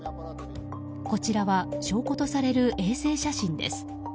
こちらは証拠とされる衛星写真です。